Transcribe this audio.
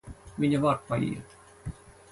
Viņa var paiet.